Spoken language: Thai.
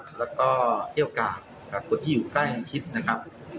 แล้วก็เกี้ยวกาศคนที่อยู่ใกล้ชิดนะครับ